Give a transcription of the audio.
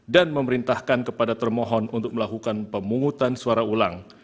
dan memerintahkan kepada termohon untuk melakukan pemungutan suara ulang